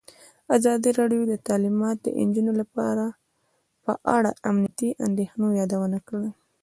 ازادي راډیو د تعلیمات د نجونو لپاره په اړه د امنیتي اندېښنو یادونه کړې.